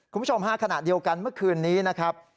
คุณผู้ชมฮะขณะเดียวกันเมื่อคืนนี้นะครับ